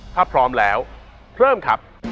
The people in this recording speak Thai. ถ้าพร้อมแล้วเริ่มครับ